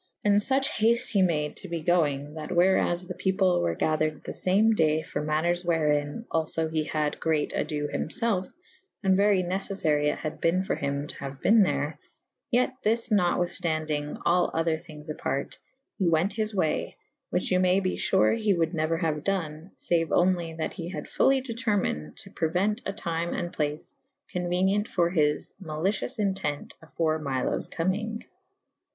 And luche hafte he made to be goynge that where as the people were gadered the fame day for maters wherin alio he had greate ado hymlelfe /& very neceffary it had bene for hym to haue bene there / yet this natwithftandyng / al other thyngd'j aparte : he we«t his way / which you may be fure he wold neuer haue done / faue onely that he had fully determined to pre uent a tyme and place conuenient for his malicius ente«t afore Miloes comyng.